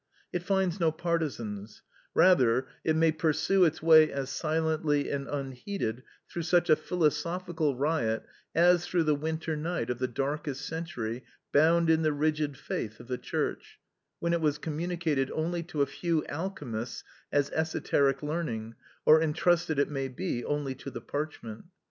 It finds no partisans; rather, it may pursue its way as silently and unheeded through such a philosophical riot as through the winter night of the darkest century bound in the rigid faith of the church, when it was communicated only to a few alchemists as esoteric learning, or entrusted it may be only to the parchment.